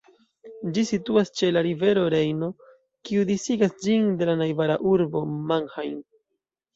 Ĝi situas ĉe la rivero Rejno, kiu disigas ĝin de la najbara urbo Mannheim.